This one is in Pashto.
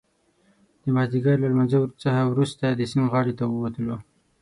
د مازدیګر له لمانځه څخه وروسته د سیند غاړې ته ووتلو.